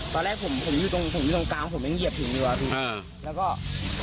ตอนแรกผมอยู่ตรงกลางผมยังเหยียบถึงดีกว่าพี่